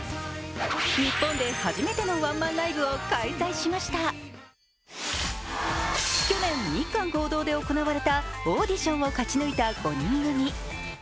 日本で初めてのワンマンライブを開催しました去年、日韓合同で行われたオーディションを勝ち抜いた５人組。